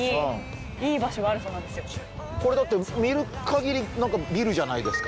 これ、だって見るかぎりビルじゃないですか。